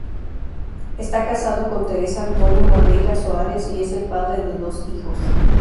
Está casado con Teresa António Madeira Soares y es el padre de dos hijos.